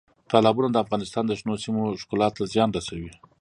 تالابونه د افغانستان د شنو سیمو ښکلا ته زیان رسوي.